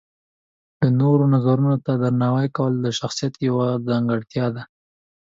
د نورو نظرونو ته درناوی کول د شخصیت یوه ځانګړتیا ده.